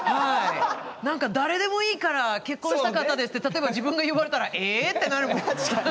なんか誰でもいいから結婚したかったですって例えば自分が言われたら「え！」ってなるもん。